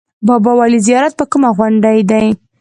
بابای ولي زیارت په کومه غونډۍ دی؟